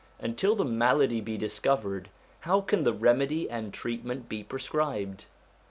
Until the malady be discovered, how can the remedy and treatment be prescribed?